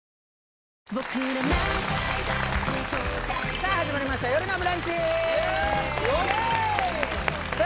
さあ始まりました「よるのブランチ」よっ！